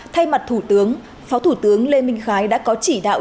thay mặt thủ tướng phó thủ tướng lê minh khái đã có chỉ đạo